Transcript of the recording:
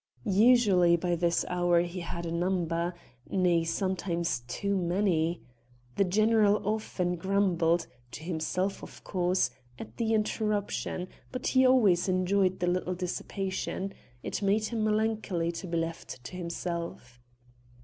Usually by this hour he had a number nay sometimes too many. The general often grumbled to himself of course at the interruption; but he always enjoyed the little dissipation; it made him melancholy to be left to himself.